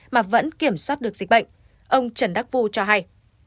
mà vẫn kiểm soát được dịch bệnh ông trần đắc phu cho hay